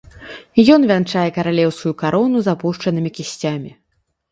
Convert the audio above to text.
Ён вянчае каралеўскую карону з апушчанымі кісцямі.